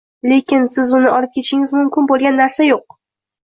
Lekin siz uni olib ketishingiz mumkin bo'lgan narsa yo'q.